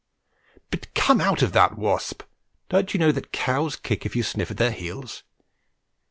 But, come out of that, Wasp! Don't you know that cows kick if you sniff at their heels?